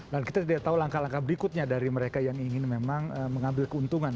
dan kita tidak tahu langkah langkah berikutnya dari mereka yang ingin memang mengambil keuntungan